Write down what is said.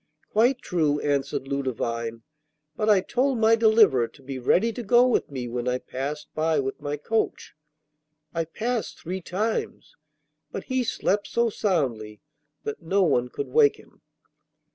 'Quite true,' answered Ludovine. 'But I told my deliverer to be ready to go with me when I passed by with my coach. I passed three times, but he slept so soundly that no one could wake him.